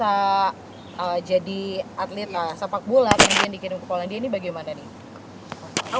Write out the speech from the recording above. setelah jadi atlet sepak bola kemudian dikirim ke polandia ini bagaimana nih